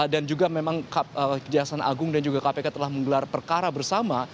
dan juga memang kejaksaan agung dan juga kpk telah menggelar perkara bersama